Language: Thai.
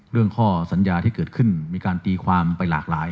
เรื่องข้อสัญญาที่เกิดขึ้นมีการตีความไปหลากหลาย